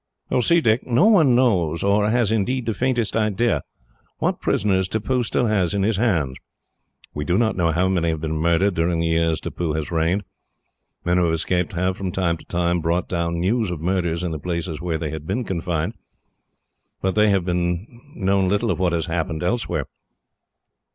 "You see, Dick, no one knows, or has indeed the faintest idea, what prisoners Tippoo still has in his hands. We do not know how many have been murdered during the years Tippoo has reigned. Men who have escaped have, from time to time, brought down news of murders in the places where they had been confined, but they have known little of what has happened elsewhere.